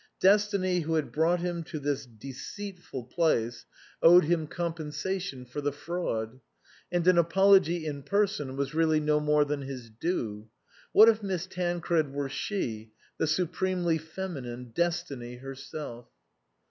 Destiny who had brought him to this deceitful 7 THE COSMOPOLITAN place owed him compensation for the fraud, and an apology in person was really no more than his due. What if Miss Tancred were she, the supremely feminine, Destiny herself